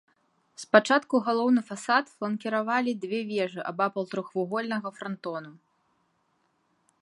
Спачатку галоўны фасад фланкіравалі две вежы абапал трохвугольнага франтону.